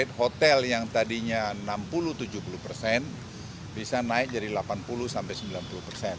rate hotel yang tadinya enam puluh tujuh puluh persen bisa naik jadi delapan puluh sampai sembilan puluh persen